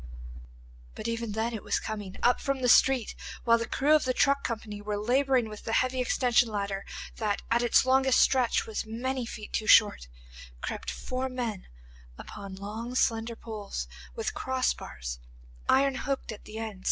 But even then it was coming. Up from the street, while the crew of the truck company were labouring with the heavy extension ladder that at its longest stretch was many feet too short, crept four men upon long, slender poles with cross bars, iron hooked at the end.